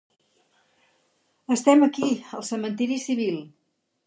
Estem ací, al cementiri civil.